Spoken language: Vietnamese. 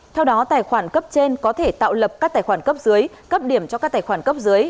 theo đó tài khoản cấp trên có thể tạo lập các tài khoản cấp dưới cấp điểm cho các tài khoản cấp dưới